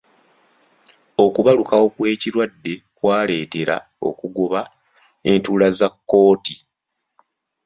Okubalukawo kw'ekirwadde kwaleetera okugoba entuula za kkooti.